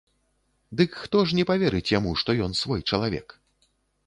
Дык хто ж не паверыць яму, што ён свой чалавек?